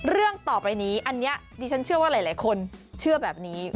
เรื่องต่อไปนี้อันนี้ดิฉันเชื่อว่าหลายคนเชื่อแบบนี้